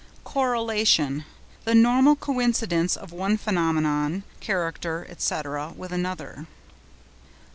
CORRELATION.—The normal coincidence of one phenomenon, character, &c., with another.